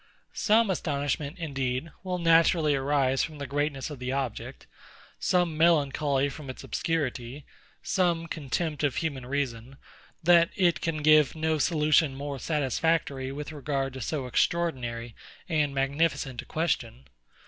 Some astonishment, indeed, will naturally arise from the greatness of the object; some melancholy from its obscurity; some contempt of human reason, that it can give no solution more satisfactory with regard to so extraordinary and magnificent a question.